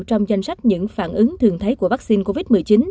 trong danh sách những phản ứng thường thấy của vaccine covid một mươi chín